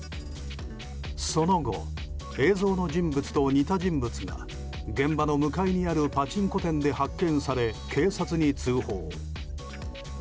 その後、映像の人物と似た人物が現場の向かいにあるパチンコ店で発見され警察に通報。